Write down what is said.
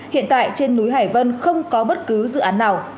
hiện tại trên núi hải vân không có bất cứ dự án nào